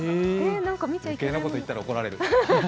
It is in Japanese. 余計なこと言ったら怒られる。